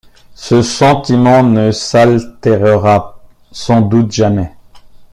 Ce sentiment ne s’altérera sans doute jamais.